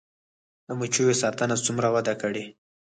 د مچیو ساتنه څومره وده کړې؟